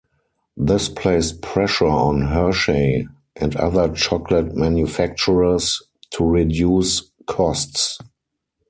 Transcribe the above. This placed pressure on Hershey and other chocolate manufacturers to reduce costs.